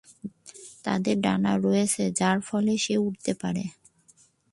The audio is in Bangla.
তাদের ডানা রয়েছে যার ফলে সে উড়তে পারে।